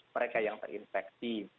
mereka yang terinfeksi